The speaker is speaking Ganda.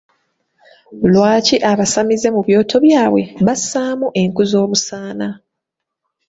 Lwaki abasamize mu byoto byabwe bassaamu enku z'obusaana?